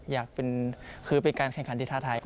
อยากเป็นคือเป็นการแข่งขันที่ท้าทาย